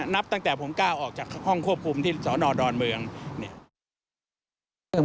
นับตั้งแต่ผมก้าวออกจากห้องควบคุมที่สนดอนเมืองเนี่ย